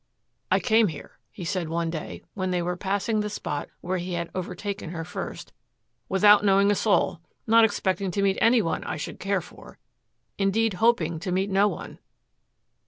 "I came here," he had said one day when they were passing the spot where he had overtaken her first, "without knowing a soul, not expecting to meet any one I should care for, indeed hoping to meet no one."